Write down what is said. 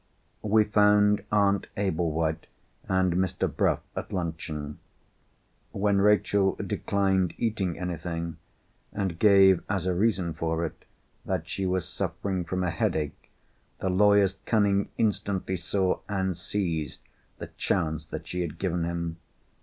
We found Aunt Ablewhite and Mr. Bruff at luncheon. When Rachel declined eating anything, and gave as a reason for it that she was suffering from a headache, the lawyer's cunning instantly saw, and seized, the chance that she had given him.